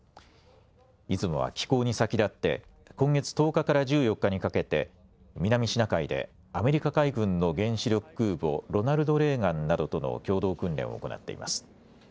いずもは寄港に先立って今月１０日から１４日にかけて南シナ海でアメリカ海軍の原子力空母、ロナルド・レーガンなどとの共同訓練を行っています。